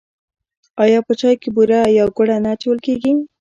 آیا په چای کې بوره یا ګوړه نه اچول کیږي؟